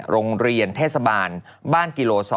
โรงเรียนเทศบาลบ้านกิโล๒